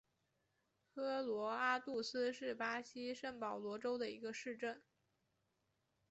科罗阿杜斯是巴西圣保罗州的一个市镇。